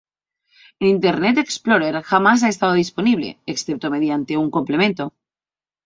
En Internet Explorer jamás ha estado disponible, excepto mediante un complemento.